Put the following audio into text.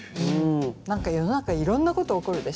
何か世の中いろんなこと起こるでしょ。